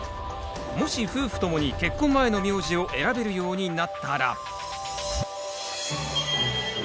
もし夫婦ともに結婚前の名字を選べるようになったら。